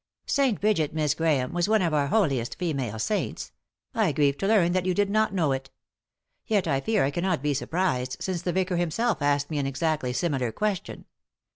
" St. Brigit, Miss Grahame, was one of our holiest female saints. I grieve to learn that you did not know it. Yet I fear I cannot be surprised, since the vicar himself asked me an exactly similar question.